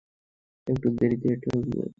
একটু এদিকে তাকাবেন, প্লিজ?